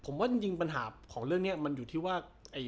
ผมว่าจริงปัญหาของเรื่องนี้มันอยู่ที่ว่า